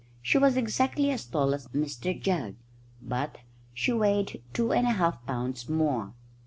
She was exactly as tall as Mr Jugg, but she weighed two and a half pounds more.